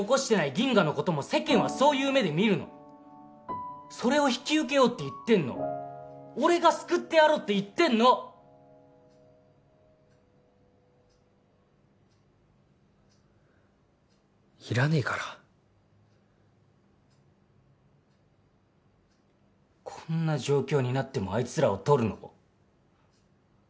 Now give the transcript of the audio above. ギンガのことも世間はそういう目で見るのそれを引き受けようって言ってんの俺が救ってやるって言ってんのいらねぇからこんな状況になってもあいつらを取るの？